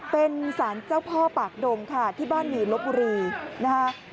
เป็นสารเจ้าพ่อปากดงค่ะที่บ้านมีลบบุรีนะคะ